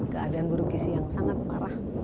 keadaan buruk gisi yang sangat parah